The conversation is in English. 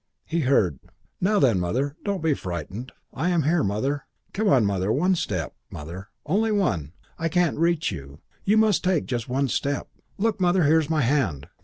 He heard, "Now then, Mother! Don't be frightened. Here I am, Mother. Come on, Mother. One step, Mother. Only one. I can't reach you. You must take just one step. Look, Mother, here's my hand.